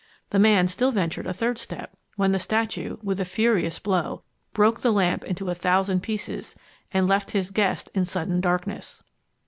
The man still ventured a third step; when the statue, with a furious blow, broke the lamp into a thousand pieces, and left his guest in sudden darkness.